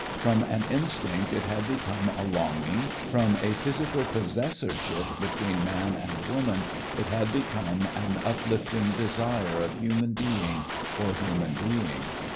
From an instinct it had become a longing, from a physical possessorship between man and woman it had become an uplifting desire of human being for human being.